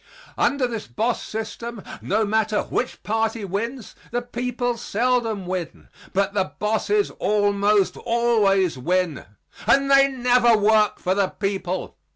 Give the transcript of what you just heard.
Under this boss system, no matter which party wins, the people seldom win; but the bosses almost always win. And they never work for the people.